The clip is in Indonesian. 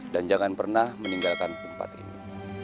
dan jangan pernah meninggalkan tempat ini